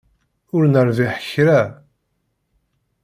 Ur nerbiḥ kra.